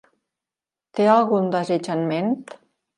Té algun desig en ment?